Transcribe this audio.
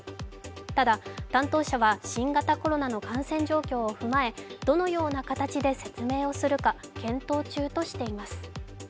ただ、担当者は新型コロナの感染状況を踏まえどのような形で説明をするか検討中としています。